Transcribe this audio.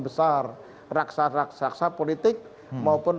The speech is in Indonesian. besar raksasa raksasa politik maupun